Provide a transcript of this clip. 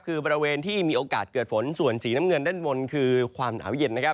คือบริเวณที่มีโอกาสเกิดฝนส่วนสีน้ำเงินด้านบนคือความหนาวเย็นนะครับ